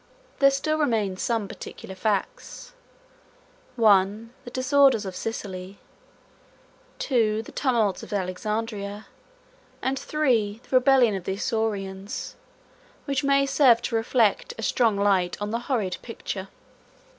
There still remain some particular facts; I. The disorders of Sicily; II. The tumults of Alexandria; and, III. The rebellion of the Isaurians, which may serve to reflect a strong light on the horrid picture.